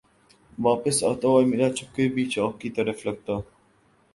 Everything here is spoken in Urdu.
واپس آتا اورمیرا چکر بھی چوک کی طرف لگتا